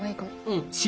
うん。